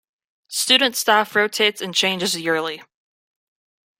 Student staff rotates and changes yearly.